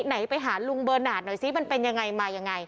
ไหนไปหาลุงเบอร์นาทหน่อยซิมันเป็นยังไงมายังไง